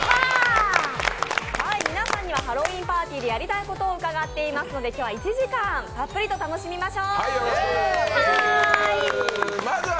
皆さんには、ハロウィーンパーティーでやりたいことを伺っていますので、今日は１時間たっぷりと楽しみましょう。